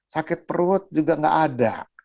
sakit perut juga nggak ada